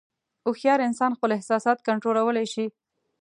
هوښیار انسان خپل احساسات کنټرولولی شي.